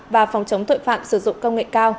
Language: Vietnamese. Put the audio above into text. và phòng chống tội phạm sử dụng công nghệ cao